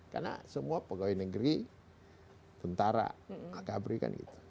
karena semua pegawai negeri tentara kabri kan gitu